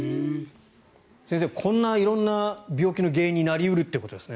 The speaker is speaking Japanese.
先生、こんな色んな病気の原因になり得るということですね。